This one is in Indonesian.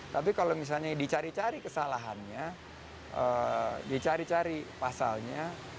tapi kalau misalnya dicari cari kesalahannya dicari cari pasalnya